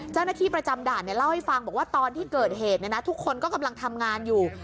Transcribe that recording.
เจ้าหน้าที่ประจำด่านเล่าให้ฟังบอกว่าตอนที่เกิดเหตุทุกคนก็กำลังทำงานอยู่